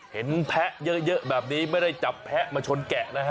แพะเยอะแบบนี้ไม่ได้จับแพะมาชนแกะนะฮะ